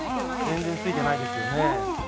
全然ついてないですよね。